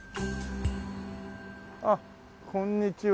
あっこんにちは。